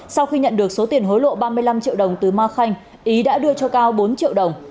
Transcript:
sau khi nhận được số tiền hối lộ ba mươi năm triệu đồng từ ma khanh ý đã đưa cho cao bốn triệu đồng